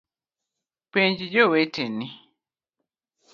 Penj joweteni